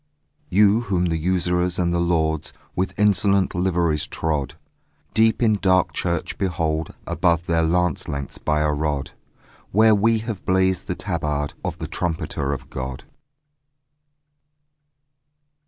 You whom the usurers and the lords With insolent liveries trod, Deep in dark church behold, above Their lance lengths by a rod, Where we have blazed the tabard Of the trumpeter of God.